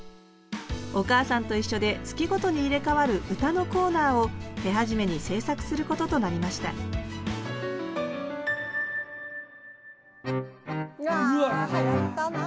「おかあさんといっしょ」で月ごとに入れ変わる歌のコーナーを手始めに制作することとなりましたわあはやったなあ。